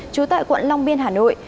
trú tại quận long biên hà nội